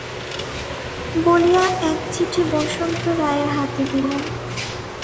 বলিয়া এক চিঠি বসন্ত রায়ের হাতে দিলেন।